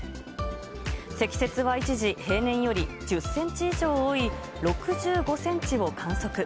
積雪は一時、平年より１０センチ以上多い６５センチを観測。